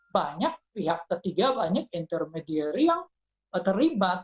banyak pihak ketiga banyak intermediary yang terlibat